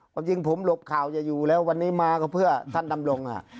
ความจริงผมหลบข่าวจะอยู่แล้ววันนี้มาก็เพื่อท่านดำรง